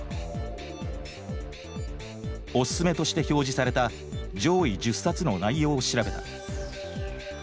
「おすすめ」として表示された上位１０冊の内容を調べた。